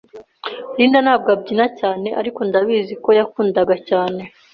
Linda ntabwo abyina cyane, ariko ndabizi ko yakundaga cyane.